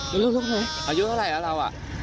อายุเท่าไหร่อายุเท่าไหร่เหรอเรา